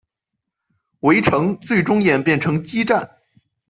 围城最终演变成激战。